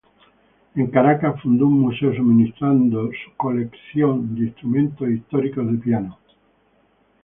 En Caracas fundó un museo suministrando su colección de instrumentos históricos de piano.